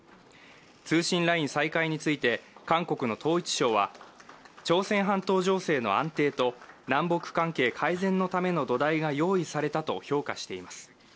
通信ライン再開について韓国の統一省は、朝鮮半島情勢の安定と南北関係改善のための土台が用意されたと評価しています。